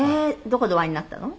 どこでお会いになったの？